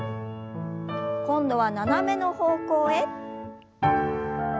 今度は斜めの方向へ。